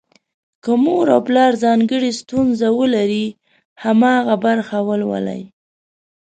که مور او پلار ځانګړې ستونزه ولري، هماغه برخه ولولي.